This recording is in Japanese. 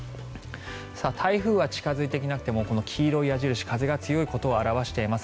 台風が近付いて、黄色い矢印風が強いことを表しています。